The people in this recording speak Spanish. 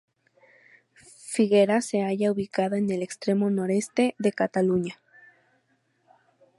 Figueras se halla ubicada en el extremo noreste de Cataluña.